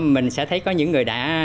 mình sẽ thấy có những người đã